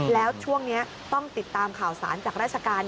แล้วช่วงนี้ต้องติดตามข่าวสารจากราชการ